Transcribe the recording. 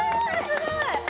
すごい！